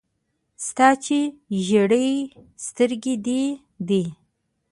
ستا چي ژېري سترګي دې دي .